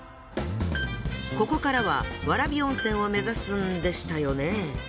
ここからは蕨温泉を目指すんでしたよね。